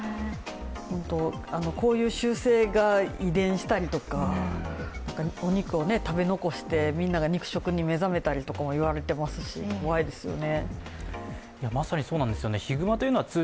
こういう習性が遺伝したりとか、お肉を食べ残して、みんなが肉食に目覚めたりとかもいわれていますし、怖いですよね。